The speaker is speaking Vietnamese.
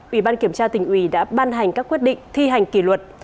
ủy ban kiểm tra tỉnh ủy đã ban hành các quyết định thi hành kỷ luật